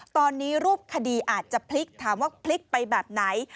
ตอนนี้รูปคดีอาจจะพลิกถามว่าพลิกไปแบบไหน